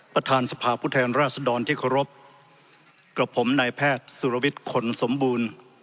ประธานสภาพผู้แทนราชดรที่เคารพกับผมนายแพทย์สุรวิทย์ขนสมบูรณ์